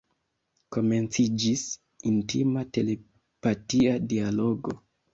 Komenciĝis intima telepatia dialogo.